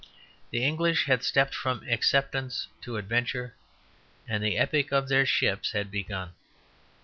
The English had stepped from acceptance to adventure, and the epic of their ships had begun.